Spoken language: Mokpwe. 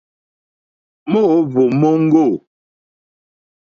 Mòóhwò móŋɡô.